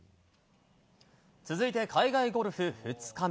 続いて海外ゴルフ２日目。